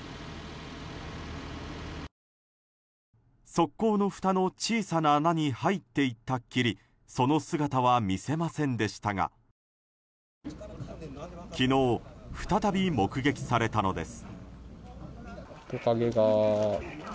側溝のふたの小さな穴に入っていったっきりその姿は見せませんでしたが昨日、再び目撃されたのです。